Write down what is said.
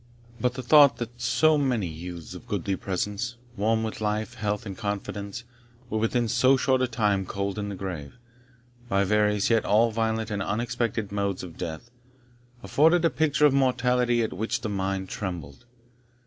But the thought that so many youths of goodly presence, warm with life, health, and confidence, were within so short a time cold in the grave, by various, yet all violent and unexpected modes of death, afforded a picture of mortality at which the mind trembled.